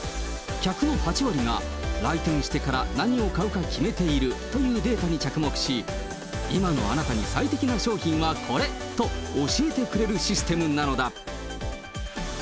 客の８割が来店してから何を買うか決めているというデータに着目し、今のあなたに最適な商品はこれ！と教えてくれるシステムなのだ。